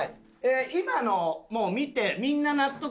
今のもう見てみんな納得